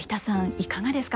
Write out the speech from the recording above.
いかがですか？